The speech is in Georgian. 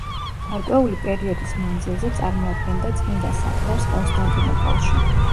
გარკვეული პერიოდის მანძილზე წარმოადგენდა წმინდა საყდარს კონსტანტინოპოლში.